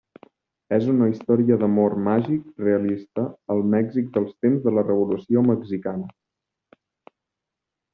És una història d'amor màgic realista al Mèxic dels temps de la Revolució Mexicana.